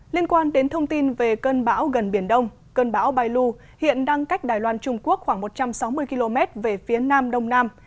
liên quan đến thông tin về cơn bão gần biển đông cơn bão bài lu hiện đang cách đài loan trung quốc khoảng một trăm sáu mươi km về phía nam đông nam